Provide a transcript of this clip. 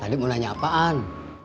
tadi mau nanya apaan